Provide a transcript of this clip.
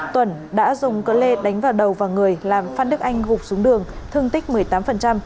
tùng đã dùng cơ lê đánh vào đầu và người làm phan đức anh gục xuống đường thương tích một mươi tám